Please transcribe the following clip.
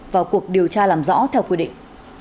vào cuộc điều tra làm rõ theo quy định